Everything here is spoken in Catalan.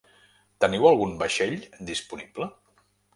Teniu algun vaixell disponible?